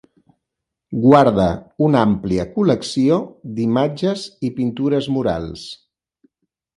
Guarda una àmplia col·lecció d'imatges i pintures murals.